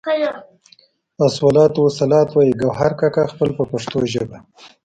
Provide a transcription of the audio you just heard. السلام والصلوات وایي ګوهر کاکا خیل په پښتو ژبه.